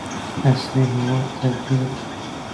عصري هیواد تبدیل کړ.